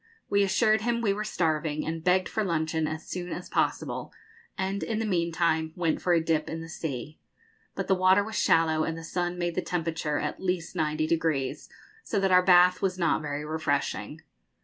We assured him we were starving, and begged for luncheon as soon as possible; and, in the meantime, went for a dip in the sea. But the water was shallow, and the sun made the temperature at least 90°, so that our bath was not very refreshing.